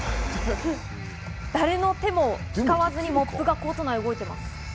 誰の手も使わずにモップが動いています。